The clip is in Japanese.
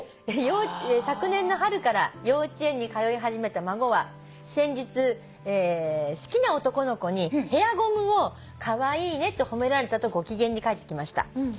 「昨年の春から幼稚園に通い始めた孫は先日好きな男の子にヘアゴムをカワイイねと褒められたとご機嫌で帰ってきました」